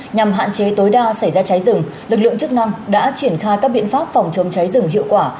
nhằm hạn chế tối đa xảy ra cháy rừng lực lượng chức năng đã triển khai các biện pháp phòng chống cháy rừng hiệu quả